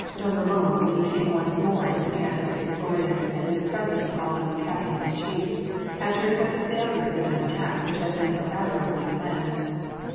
Don Ramon when he came once more in the camp at St. Florian and in the presence of Alva’s captain in chief, had to report the failure of the night attack which had been so admirably planned.